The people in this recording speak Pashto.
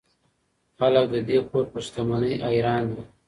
خلک د دې کور پر شتمنۍ حیران دي.